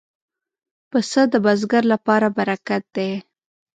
پسه د بزګر لپاره برکت دی.